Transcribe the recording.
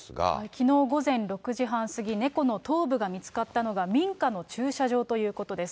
きのう午前６時半過ぎ、猫の頭部が見つかったのが、民家の駐車場ということです。